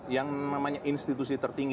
yang namanya institusi tertinggi